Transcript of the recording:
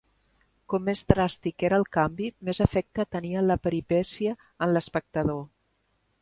Com més dràstic era el canvi, més efecte tenia la peripècia en l'espectador.